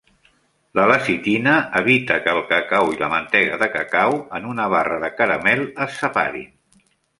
La lecitina evita que el cacau i la mantega de cacau en una barra de caramel es separin.